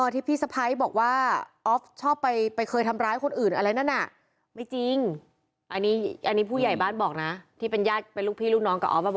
อ๋อที่พี่สะพายบอกว่าอ๊อฟชอบไปเคยทำร้ายคนอื่นอะไรนั่นน่ะ